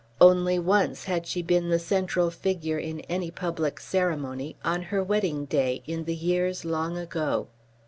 Only once had she been the central figure in any public ceremony on her wedding day, in the years long ago.